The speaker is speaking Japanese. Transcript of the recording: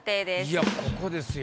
いやここですよ。